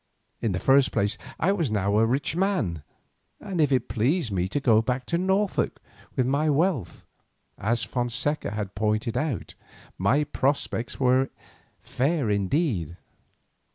In the first place I was now a rich man, and if it pleased me to go back to Norfolk with my wealth, as Fonseca had pointed out, my prospects were fair indeed.